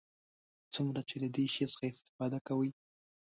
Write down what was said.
څومره چې له دې شي څخه استفاده کوي.